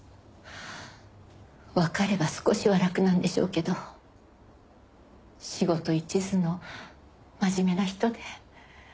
わかれば少しは楽なんでしょうけど仕事一途の真面目な人で。